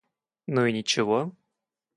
Ну и ничего.